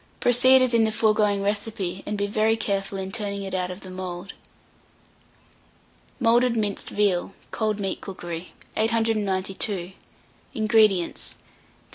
Proceed as in the foregoing recipe, and be very careful in turning it out of the mould. MOULDED MINCED VEAL (Cold Meat Cookery). 892. INGREDIENTS. 3/4 lb.